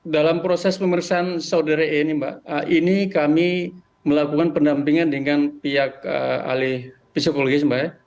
dalam proses pemeriksaan saudari e ini mbak ini kami melakukan pendampingan dengan pihak alih psikologis mbak ya